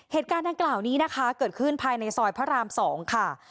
เหตุการณ์ดังกล่าวนี้นะคะเกิดขึ้นภายในซอยพระราม๒ค่ะ